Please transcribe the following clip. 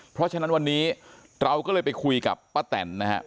เพราะฉะนั้นวันนี้เราก็เลยไปคุยกับป้าแตนนะครับ